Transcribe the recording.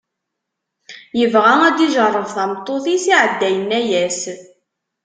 yebɣa ad d-ijerreb tameṭṭut-is, iɛedda yenna-as.